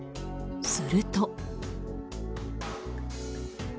すると。